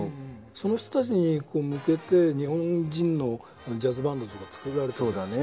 その人たちに向けて日本人のジャズバンドとか作られたじゃないですか。